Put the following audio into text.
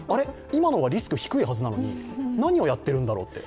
今の方がリスクが低いはずなのに何をやっているんだろうって。